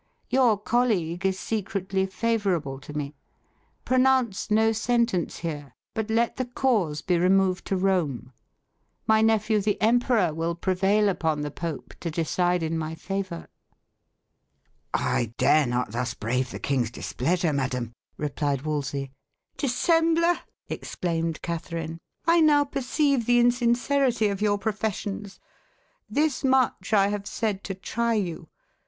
Your colleague is secretly favourable to me. Pronounce no sentence here, but let the cause be removed to Rome. My nephew the emperor will prevail upon the Pope to decide in my favour." "I dare not thus brave the king's displeasure, madam;" replied Wolsey. "Dissembler!" exclaimed Catherine. "I now perceive the insincerity of your professions. This much I have said to try you.